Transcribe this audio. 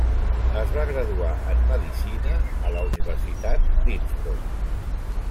Es va graduar en medicina a la Universitat d'Innsbruck.